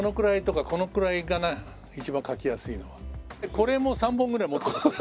これも３本ぐらい持ってます。